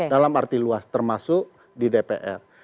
dalam arti luas termasuk di dpr